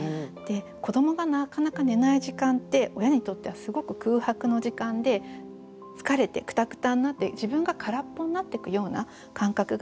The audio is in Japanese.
子どもがなかなか寝ない時間って親にとってはすごく空白の時間で疲れてクタクタになって自分が空っぽになってくような感覚がある。